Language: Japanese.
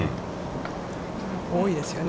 多いですよね。